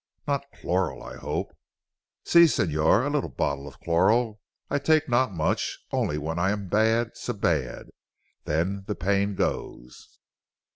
"Not chloral, I hope?" "Si Signor. A little bottle of chloral. I take not much, only when I am bad, so bad. Then the pain goes."